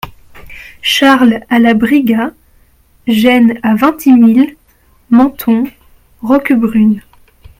Charles a la Briga ; Gênes a Vintimille, Menton, Roquebrune.